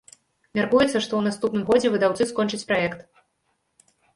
Мяркуецца, што ў наступным годзе выдаўцы скончаць праект.